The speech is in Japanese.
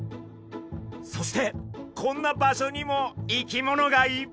そしてこんな場所にも生き物がいっぱい！